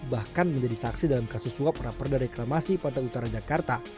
bahkan menjadi saksi dalam kasus suap raperda reklamasi pantai utara jakarta